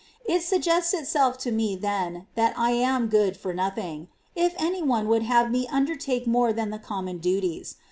It suggests itself to me then that I am good for nothing, if any one would have me undertake more than the common duties.